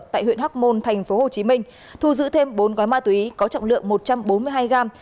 tại huyện hóc môn thành phố hồ chí minh thu giữ thêm bốn gói ma túy có trọng lượng một trăm bốn mươi hai gam